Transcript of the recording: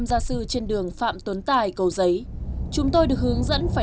các sinh viên xem cái tâm lý của những học sinh